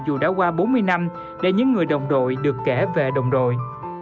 dù đã qua bốn mươi năm để những người đồng đội được kể về đồng đội